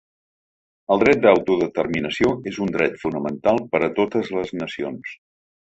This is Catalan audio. El dret d’autodeterminació és un dret fonamental per a totes les nacions.